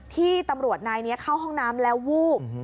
ที่ตำรวจนายนี้เข้าห้องน้ำแล้ววูบ